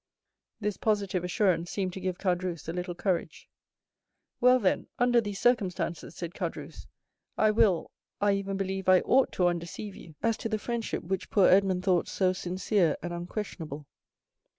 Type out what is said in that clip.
This positive assurance seemed to give Caderousse a little courage. "Well, then, under these circumstances," said Caderousse, "I will, I even believe I ought to undeceive you as to the friendship which poor Edmond thought so sincere and unquestionable."